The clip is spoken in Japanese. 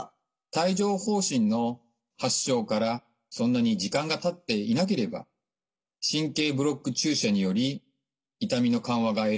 帯状ほう疹の発症からそんなに時間がたっていなければ神経ブロック注射により痛みの緩和が得られる可能性が高いです。